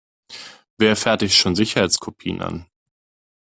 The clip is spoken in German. Wer fertigt schon Sicherheitskopien an?